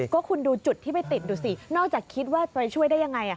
ก็คุณดูจุดที่ไปติดดูสินอกจากคิดว่าจะไปช่วยได้ยังไง